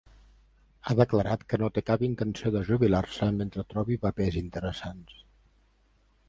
Ha declarat que no té cap intenció de jubilar-se mentre trobi papers interessants.